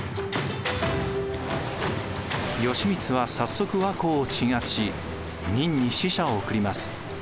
義満は早速倭寇を鎮圧し明に使者を送ります。